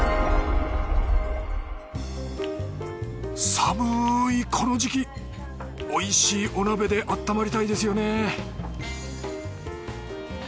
さむいこの時期おいしいお鍋であったまりたいですよね